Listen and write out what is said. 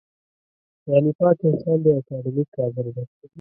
غني پاک انسان دی اکاډمیک کادر دی.